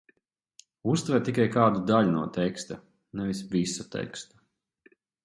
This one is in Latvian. Uztver tikai kādu daļu no teksta, nevis visu tekstu.